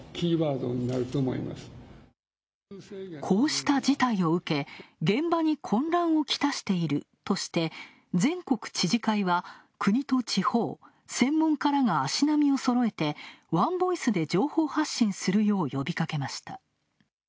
こうした事態を受け、現場に混乱をきたしているとして全国知事会は国と地方、専門家らが足並みをそろえてワンボイスで情報発信するよう呼びかけました。